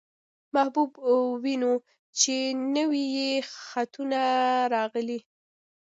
محبوب وينو، چې نوي يې خطونه راغلي.